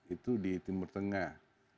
itu di timur tengah